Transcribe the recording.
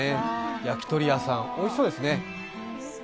焼き鳥屋さん、おいしそうですね。